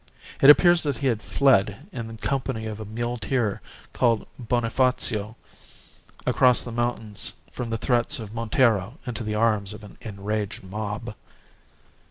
It appears that he had fled, in company of a muleteer called Bonifacio, across the mountains from the threats of Montero into the arms of an enraged mob.